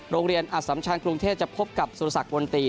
โรงเรียนอสัมชาญกรุงเทศจะพบกับสุรสักวนตรี